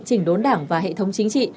chỉnh đốn đảng và hệ thống chính trị